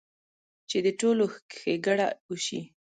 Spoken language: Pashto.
چې د ټولو ښېګړه اوشي -